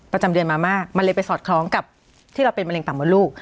ประจำเดือนมาม่ามันเลยไปสอดคล้องกับที่เราเป็นมะเร็มดลูก